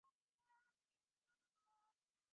কেমন যেন এক ধরনের কষ্টও হচ্ছে বুকের মধ্যে।